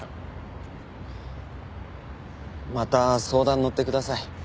また相談乗ってください。